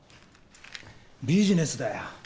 ビジネスだよ。